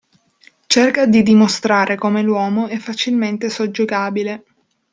Cerca di dimostrare come l'uomo è facilmente soggiogabile.